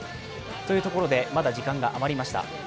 というところでまだ時間が余りました。